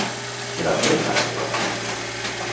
Què va fer a Barcelona?